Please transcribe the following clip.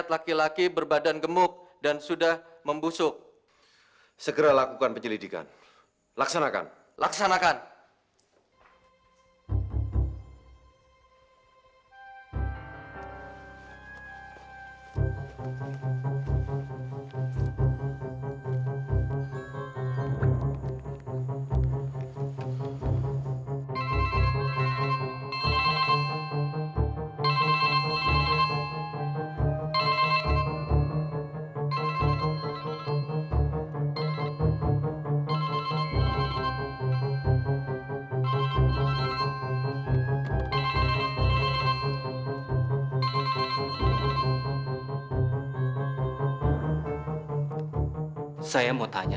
sampai jumpa di video selanjutnya